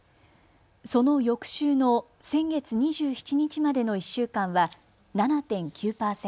その翌週の先月２７日までの１週間は７．９％。